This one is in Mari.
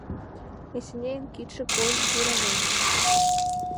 — Эсенейын кидше койын вӱраҥеш.